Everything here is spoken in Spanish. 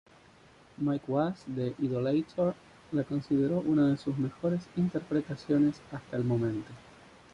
Mike Wass de "Idolator" la consideró una de sus mejores interpretaciones hasta el momento.